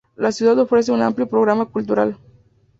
La ciudad ofrece un amplio programa cultural.